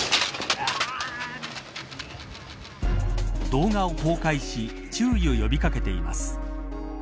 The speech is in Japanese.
動画を公開し注意を呼び掛けています。